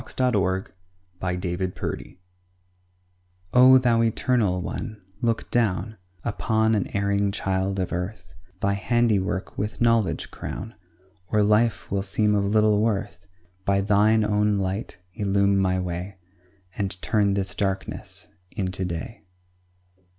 LOVE BETTER THAN KNOWLEDGE O Thou Eternal One, look down Upon an erring child of earth; Thy handiwork with knowledge crown, Or life will seem of little worth; By Thine own light illume my way, And turn this darkness into day.